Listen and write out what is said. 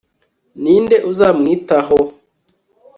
ni nde uzamwitaho